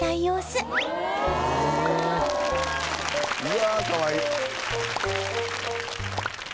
いやあかわいい！